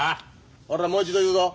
俺はもう一度言うぞ。